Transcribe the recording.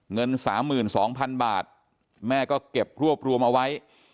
เงิน๓๒๐๐๐บาทแม่ก็เก็บรวบรวมเอาไว้